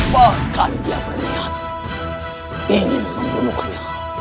bahkan dia berniat ingin membunuhnya